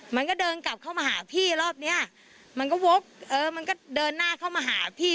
มันก็เดินกลับเข้ามาหาพี่รอบนี้มันก็เดินหน้าเข้ามาหาพี่